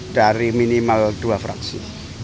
dari minimal dua fraksi